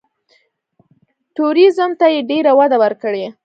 ټوریزم ته یې ډېره وده ورکړې.